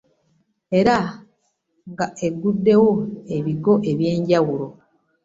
Era nga agguddewo ebigo eby'enjawulo